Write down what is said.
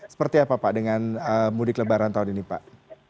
seperti apa pak dengan mudik lebaran tahun ini pak